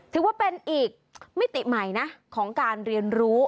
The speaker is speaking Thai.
ถือว่าเป็นอีกมิติใหม่นะของการเรียนรู้